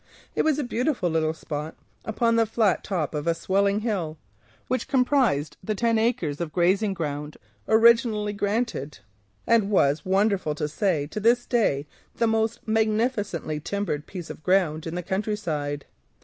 It was a beautiful little spot, situated upon the flat top of a swelling hill, which comprised the ten acres of grazing ground originally granted, and was, strange to say, still the most magnificently timbered piece of ground in the country side.